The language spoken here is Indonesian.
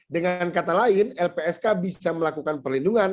dengan kata lain lpsk bisa melakukan perlindungan